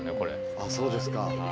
あっそうですか。